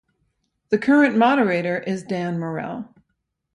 The current Moderator is Dan Morrell.